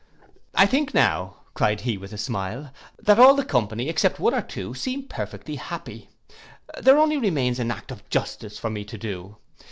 'I think now,' cried he, with a smile, 'that all the company, except one or two, seem perfectly happy. There only remains an act of justice for me to do.